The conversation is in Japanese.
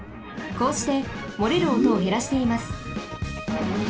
こうしてもれるおとをへらしています。